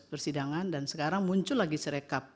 persidangan dan sekarang muncul lagi serekap